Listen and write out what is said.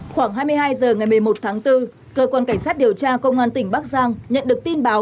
khoảng hai mươi hai h ngày một mươi một tháng bốn cơ quan cảnh sát điều tra công an tỉnh bắc giang nhận được tin báo